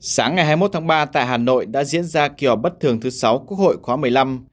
sáng ngày hai mươi một tháng ba tại hà nội đã diễn ra kỳ họp bất thường thứ sáu quốc hội khóa một mươi năm